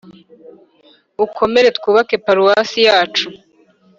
ukomere twubake paruwasi yacu